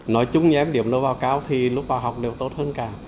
nói chung em điểm đầu vào cao thì lúc vào học đều tốt hơn cả